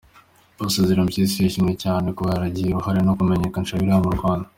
Pastor Ezra Mpyisi yashimiwe cyane kuba yaragiye uruhare mu kumenyekanisha Bibiliya mu Rwanda.